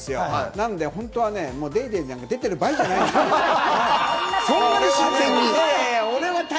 なので本当はね、『ＤａｙＤａｙ．』なんか出てる場合じゃないんですよ、俺はね。